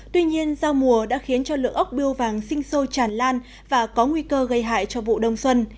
tuy nhiên giao mùa đã khiến cho lượng ốc biêu vàng sinh sôi tràn lan và có nguy cơ gây hại cho vụ đông xuân